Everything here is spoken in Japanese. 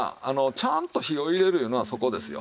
ちゃんと火を入れるいうのはそこですよ。